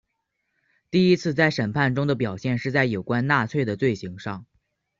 第一次在审判中的表现是在有关纳粹的罪行上。